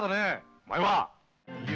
お前は。